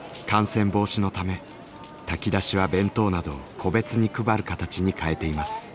感染防止のため炊き出しは弁当などを個別に配る形に変えています。